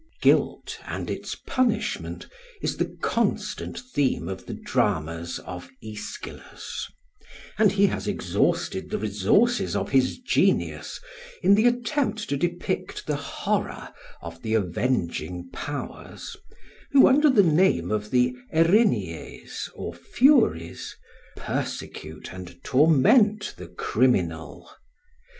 Guilt and its punishment is the constant theme of the dramas of Aeschylus; and he has exhausted the resources of his genius in the attempt to depict the horror of the avenging powers, who under the name of the Erinyes, or Furies, persecute and torment the criminal.